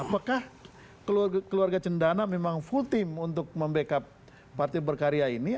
apakah keluarga cendana memang full team untuk membackup partai berkarya ini